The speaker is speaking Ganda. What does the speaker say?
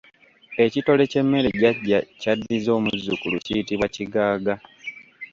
Ekitole ky’emmere jjajja ky'addiza omuzzukulu kiyitibwa kigaaga.